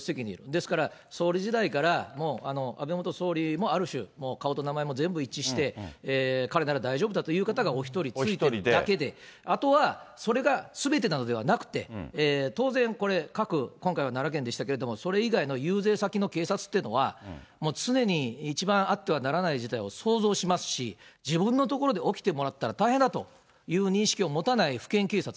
ですから総理時代から、もう安倍元総理もある種、顔と名前も全部一致して、彼なら大丈夫だという方がお１人付いているだけで、あとは、それがすべてなのではなくて、当然、これ、各、今回は奈良県でしたけれども、それ以外の遊説先の警察っていうのは、もう常に一番あってはならない事態を想像しますし、自分の所で起きてもらったら大変だという認識を持たない府県警察